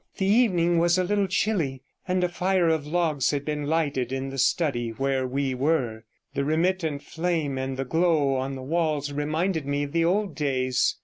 The evening was a little chilly, and a fire of logs had been lighted in the study where we were; the remittent flame and the glow on the walls reminded me of the old days.